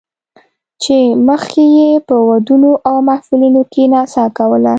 چې مخکې یې په ودونو او محفلونو کې نڅا کوله